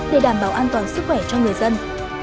để đảm bảo an toàn sức khỏe cho người dân